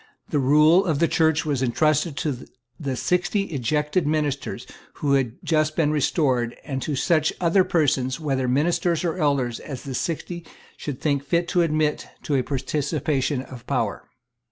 The rule of the Church was entrusted to the sixty ejected ministers who had just been restored, and to such other persons, whether ministers or elders, as the Sixty should think fit to admit to a participation of power.